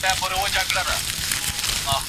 فریب او ریا د څېړنې له مزاج سره برابر نه دي.